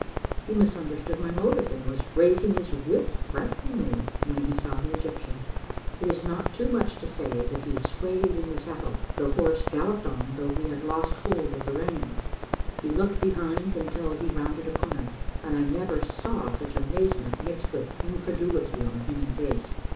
He misunderstood my motive, and was rais ing his whip threateningly, when he saw the Egyptian. It is not too much to say that he swayed in the saddle. The horse galloped on, though he had lost hold of the reins. He looked behind until he rounded a comer, and I never saw such amazement mixed with incredulity on a human face.